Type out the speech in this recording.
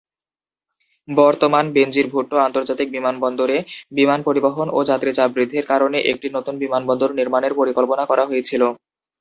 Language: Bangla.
বর্তমান বেনজির ভুট্টো আন্তর্জাতিক বিমানবন্দরে বিমান পরিবহন ও যাত্রী চাপ বৃদ্ধির কারণে একটি নতুন বিমানবন্দর নির্মাণের পরিকল্পনা করা হয়েছিল।